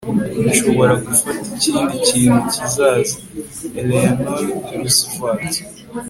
nshobora gufata ikindi kintu kizaza. - eleanor roosevelt